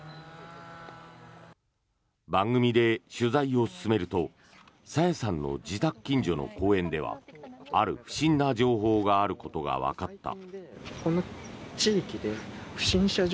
番組で取材を進めると朝芽さんの自宅近所の公園ではある不審な情報があることがわかった。